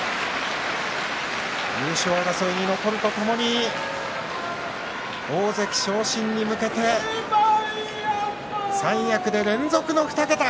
優勝争いに残るとともに大関昇進に向けて三役で連続の２桁。